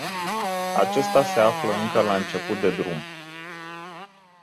Acesta se află încă la început de drum.